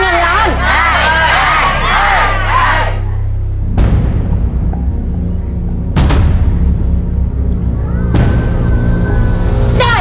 ได้ได้ได้